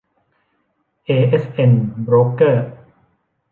เอเอสเอ็น โบรกเกอร์